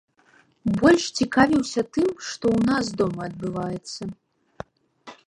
Больш цікавіўся тым, што ў нас дома адбываецца.